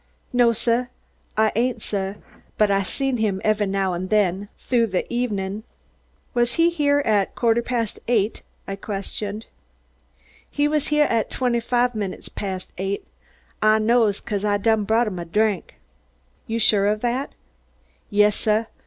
"No, sah, I ain't suah, but Ah seen him ev'y now an' den thu de ev'nin'." "Was he here at quarter past eight?" I questioned. "He was heah at twenty fahv minutes past eight, Ah knows, cause Ah done brought him a drink." "You're sure of that?" "Yas, suh!